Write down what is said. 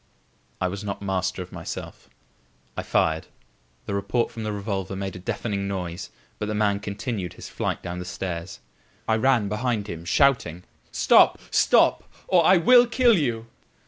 I was not master of myself. I fired. The report from the revolver made a deafening noise; but the man continued his flight down the stairs. I ran behind him, shouting: "Stop! stop! or I will kill you!"